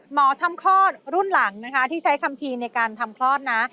หมอทำคลอดรุ่นหลังนะคะที่ใช้คัมภีร์ในการทำคลอดนะ